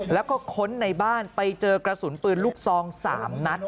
แล้วก็ค้นในบ้านไปเจอกระสุนปืนลูกซอง๓นัด